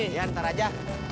iya ntar aja